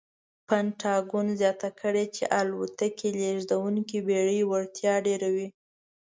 پنټاګون زیاته کړې چې الوتکې لېږدونکې بېړۍ وړتیا ډېروي.